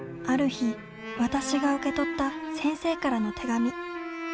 ある日わたしが受け取った先生からの手紙。